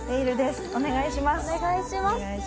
お願いします。